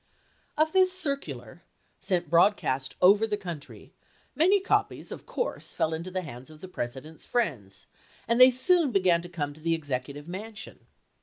THE POMEEOY CIRCULAR 321 Of this circular, sent broadcast over the country, chap. xii. many copies of course fell into the hands of the President's friends, and they soon began to come to the Executive Mansion.